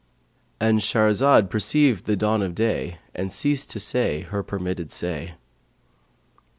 '—And Shahrazad perceived the dawn of day and ceased to say her permitted say.